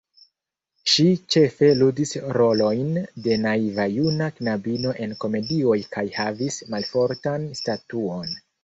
Ŝi ĉefe ludis rolojn de naiva juna knabino en komedioj kaj havis malfortan statuon.